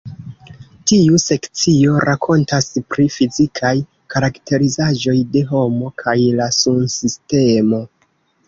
Tiu sekcio rakontas pri fizikaj karakterizaĵoj de homo kaj la Sunsistemo.